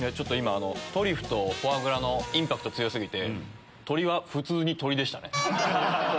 トリュフとフォアグラのインパクト強過ぎて鶏は普通に鶏でしたね。